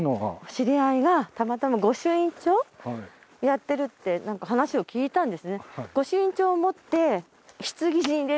知り合いがたまたま御朱印帳をやってるって話を聞いたんですね。